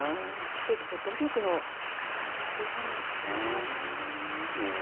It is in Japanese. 奇跡と努力の復活だったなというふうに思います。